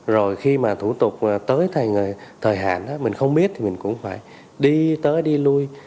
rồi khi mà thủ tục tới thời hạn mình không biết thì mình cũng phải đi tới đi lui